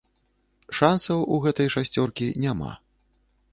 Шансаў у гэтай шасцёркі няма.